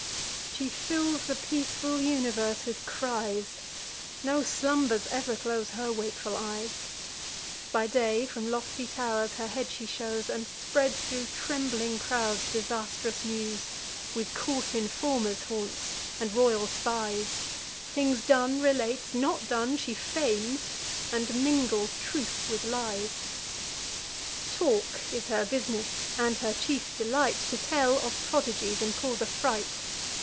She fills the peaceful universe with cries; No slumbers ever close her wakeful eyes; By day, from lofty tow'rs her head she shews, And spreads thro' trembling crowds disastrous news; With court informers haunts, and royal spies; Things done relates, not done she feigns, and mingles truth with lies. Talk is her business, and her chief delight To tell of prodigies and cause affright.